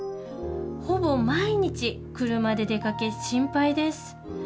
ほぼ毎日車で出かけ心配です。